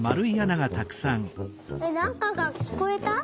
えっなんかがきこえた？